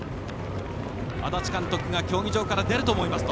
足立監督が競技場から出ると思いますと。